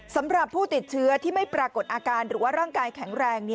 สำหรับผู้ติดเชื้อที่ไม่ปรากฏอาการหรือว่าร่างกายแข็งแรง